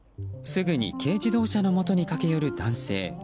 すぐに軽自動車のもとに駆け寄る男性。